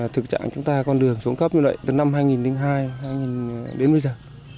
thực trạng chúng ta con đường xuống cấp như vậy từ năm hai nghìn hai hai đến bây giờ